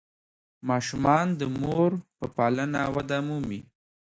ماشومان د مور په پالنه وده مومي.